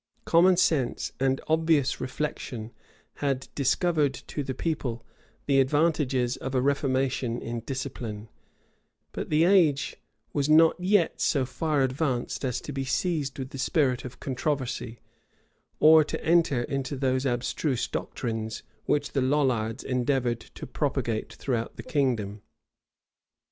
Common sense and obvious reflection had discovered to the people the advantages of a reformation in discipline; but the age was not yet so far advanced as to be seized with the spirit of controversy, or to enter into those abstruse doctrines which the Lollards endeavored to propagate throughout the kingdom.